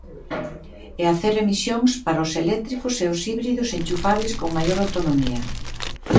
E a Cero Emisións, para os eléctricos e os híbridos enchufables con maior autonomía.